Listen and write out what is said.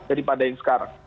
daripada yang sekarang